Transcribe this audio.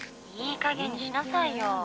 いいかげんにしなさいよ。